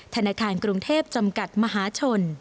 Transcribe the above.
ธนาคารกรุงเทพจำกัดมหาชน